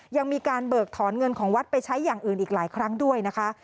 ยังมีการเบิกถอนเงินของวัดไปใช้อย่างอื่นอีกหลายครั้งด้วยนะคะ